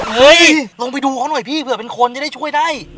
เฮ้ยลงไปดูเขาหน่อยพี่เผื่อเป็นคนจะได้ช่วยได้